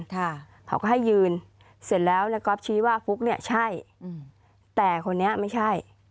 ค่ะเขาก็ให้ยืนเสร็จแล้วเนี่ยก็ชี้ว่าฟุ๊กเนี่ยใช่อืมแต่คนนี้ไม่ใช่